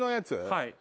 はい。